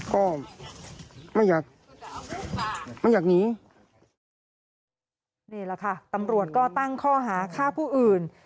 ก็ไม่อยากไม่อยากหนีนี่แหละค่ะตำรวจก็ตั้งข้อหาฆ่าผู้อื่น